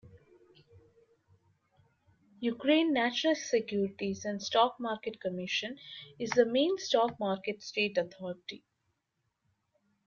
Ukraine National Securities and Stock Market Commission is the main stock market state authority.